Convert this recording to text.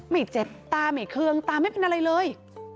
ไม่เจ็บตาไม่เคืองตาไม่เป็นอะไรเลย